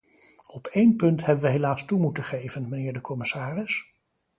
Op één punt hebben we helaas toe moeten geven, mijnheer de commissaris.